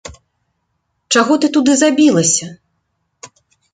Чаго ты туды забілася!